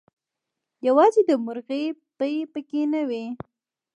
يوازې دمرغۍ پۍ پکې نه وې